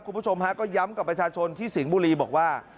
คุณผู้ชมฮะก็ย้ำกับประชาชนที่สิงห์บุรีบอกว่า